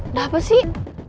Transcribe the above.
udah apa sih